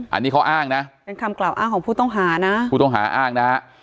อันนี้เขาอ้างนะเป็นคำกล่าวอ้างของผู้ต้องหานะ